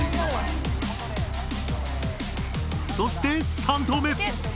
そして３投目。